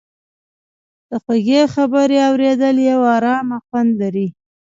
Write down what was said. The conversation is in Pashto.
د خوږې خبرې اورېدل یو ارامه خوند لري.